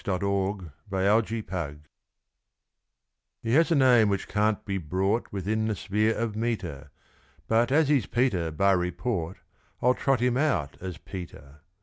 Peter the Piccaninny He has a name which can't be brought Within the sphere of metre; But, as he's Peter by report, I'll trot him out as Peter.